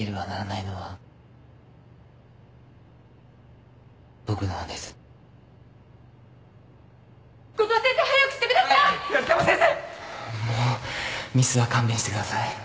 いやもうミスは勘弁してください